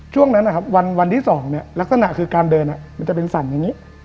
ช่วงนั้นนะครับวันที่๒เนี่ยลักษณะคือการเดินมันจะเป็นสั่นอย่างนี้